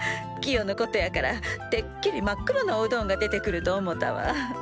キヨのことやからてっきり真っ黒のおうどんが出てくると思たわ。